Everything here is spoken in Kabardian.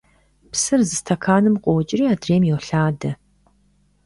Псыр зы стэканым къокӀри адрейм йолъадэ.